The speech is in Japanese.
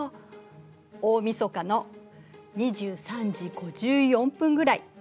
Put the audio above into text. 大みそかの２３時５４分ぐらい。